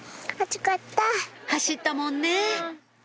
走ったもんね